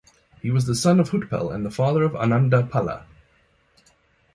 He was the son of Hutpal and the father of Anandapala.